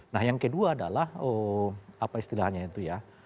nah yang kedua adalah apa istilahnya itu ya